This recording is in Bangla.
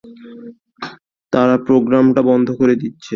তারা প্রোগ্রামটা বন্ধ করে দিচ্ছে।